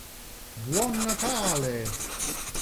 Buon Natale!